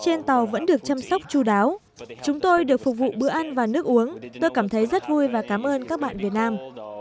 trên tàu vẫn được chăm sóc chú đáo chúng tôi được phục vụ bữa ăn và nước uống tôi cảm thấy rất vui và cảm ơn các bạn việt nam